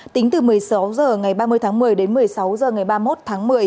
tính từ một mươi sáu h ngày ba mươi tháng một mươi đến một mươi sáu h ngày ba mươi một tháng một mươi